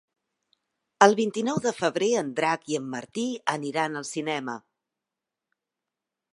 El vint-i-nou de febrer en Drac i en Martí aniran al cinema.